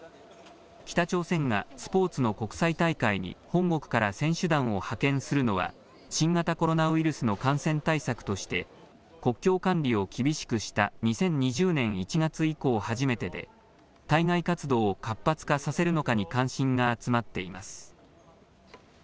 北朝鮮がスポーツの国際大会に本国から選手団を派遣するのは新型コロナウイルスの感染対策として国境管理を厳しくした２０２０年１月以降、初めてで対外活動を活発化させるのかに関心が集まっています。